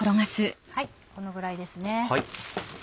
このぐらいです。